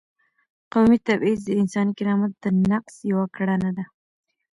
قومي تبعیض د انساني کرامت د نقض یوه کړنه ده.